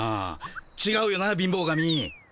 ちがうよな貧乏神。